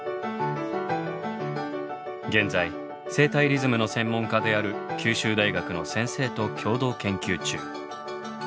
現在生体リズムの専門家である九州大学の先生と共同研究中。